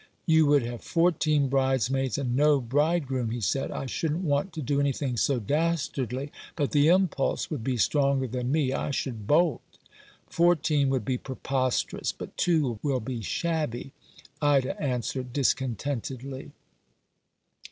"You would have fourteen bridesmaids and no bridegroom," he said. "I shouldn't want to do anything so dastardly, but the impulse would be stronger than me — I should bolt." " Fourteen would be preposterous, but two will be very shabby," Ida answered discontentedly.